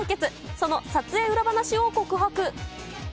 その撮影裏話を告白。